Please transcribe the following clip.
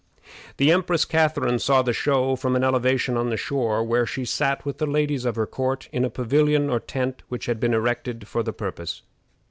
The Empress Catharine saw the show from an elevation on the shore, where she sat with the ladies of her court in a pavilion or tent which had been erected for the purpose.